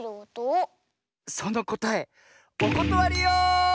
そのこたえおことわりよ！